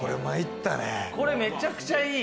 これめちゃくちゃいい！